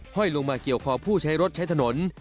ห้อยลงมาเกี่ยวคอผู้ใช้รถใช้ถนน